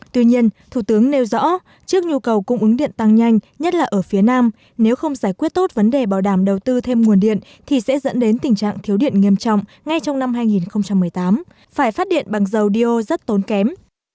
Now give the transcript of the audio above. tuy nhiên thủ tướng nêu rõ trước nhu cầu cung ứng điện tăng nhanh nhất là ở phía nam nếu không giải quyết tốt vấn đề bảo đảm đầu tư thêm nguồn điện thì sẽ dẫn đến tình trạng thiếu điện nghiêm trọng ngay trong năm hai nghìn một mươi tám phải phát điện bằng dầu dio rất tốn kém